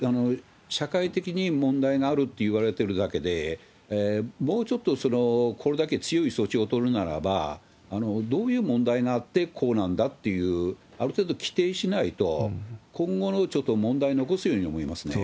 社会的に問題のあるっていわれてるだけで、もうちょっと、これだけ強い措置を取るならば、どういう問題があってこうなんだっていう、ある程度規定しないと、今後のちょっと問題残すように思いますね。